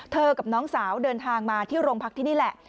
กับน้องสาวเดินทางมาที่โรงพักที่นี่แหละ